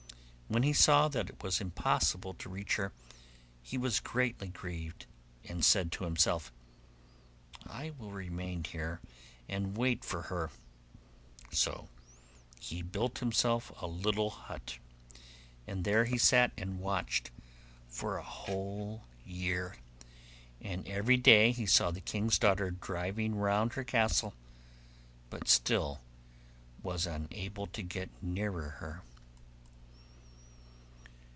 When he saw that it was impossible to reach her, he was greatly grieved, and said to himself, 'I will remain here and wait for her,' so he built himself a little hut, and there he sat and watched for a whole year, and every day he saw the king's daughter driving round her castle, but still was unable to get nearer to her.